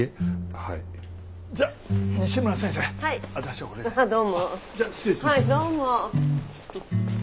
はいどうも。